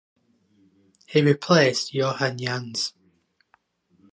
He replaced Johan Jans.